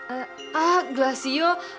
eh ah glasio